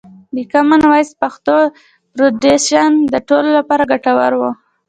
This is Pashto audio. د کومن وایس پښتو پرزنټیشن د ټولو لپاره ګټور و.